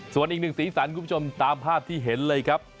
ส่วนอีกหนึ่งสีสันคุณผู้ชมตามภาพที่เห็นเลยครับ